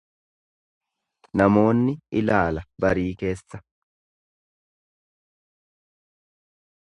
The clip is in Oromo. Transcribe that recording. Namoonni ilaala barii keessa.